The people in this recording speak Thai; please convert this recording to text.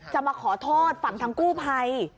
มาขอโทษฝั่งทางกู้ภัย